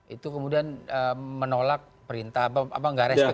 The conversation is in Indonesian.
itu kemudian menolak perintah apa apa